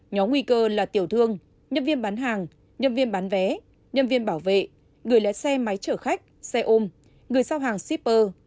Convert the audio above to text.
nhóm nguy cơ là tiểu thương nhân viên bán hàng nhân viên bán vé nhân viên bảo vệ người lái xe máy chở khách xe ôm người giao hàng shipper